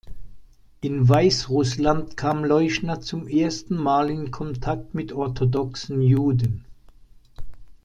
In Weißrussland kam Leuschner zum ersten Mal in Kontakt mit orthodoxen Juden.